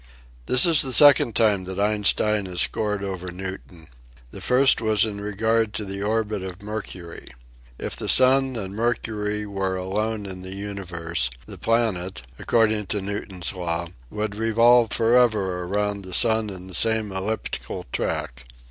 This is the second time that Einstein has scored over Newton. The first was in regard to the orbit of Mer cury. If the sun and Mercury were alone in the uni verse the planet, according to Newton's law, would revolve forever around the sun in the same elliptical track.